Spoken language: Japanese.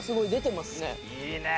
いいね！